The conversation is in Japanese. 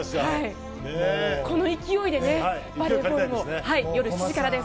この勢いでバレーボールも夜７時からです。